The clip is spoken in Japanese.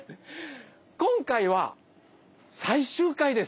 今回は最終回です。